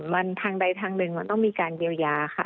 มันทางใดทางหนึ่งมันต้องมีการเยียวยาค่ะ